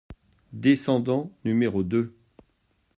Descendant n o deux.